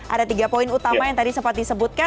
ada tiga poin utama yang tadi sempat disebutkan